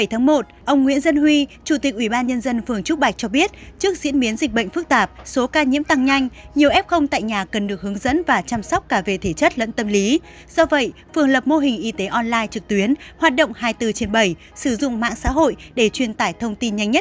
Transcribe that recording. hãy đăng ký kênh để ủng hộ kênh của chúng mình nhé